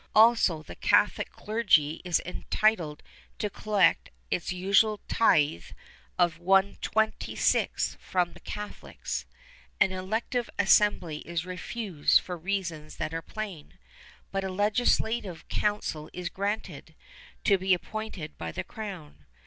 Also, the Catholic clergy is entitled to collect its usual tithe of one twenty sixth from the Catholics. An elective assembly is refused for reasons that are plain, but a legislative council is granted, to be appointed by the crown.